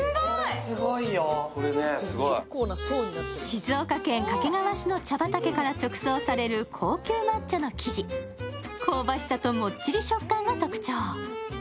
静岡県掛川市の茶畑から直送される高級抹茶の生地、香ばしさともっちり食感が特徴。